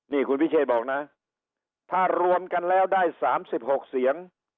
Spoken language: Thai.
นี่คุณพิเชษฐ์บอกนะถ้ารวมกันแล้วได้สามสิบหกเสียง